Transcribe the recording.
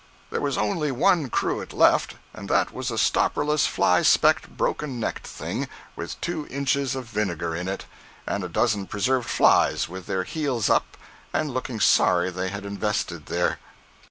There was only one cruet left, and that was a stopperless, fly specked, broken necked thing, with two inches of vinegar in it, and a dozen preserved flies with their heels up and looking sorry they had invested there.